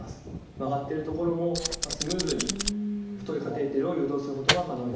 曲がってる所もスムーズに太いカテーテルを誘導することが可能になります。